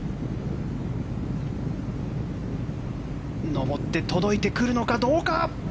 上って、届いてくるのかどうか！